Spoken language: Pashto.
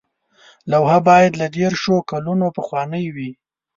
لوحه باید له دیرشو کلونو پخوانۍ وي.